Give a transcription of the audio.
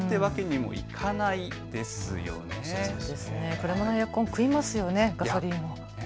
車のエアコン食いますよね、ガソリン。